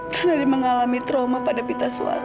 karena dia mengalami trauma pada pita suara